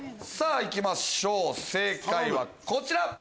さぁ行きましょう正解はこちら！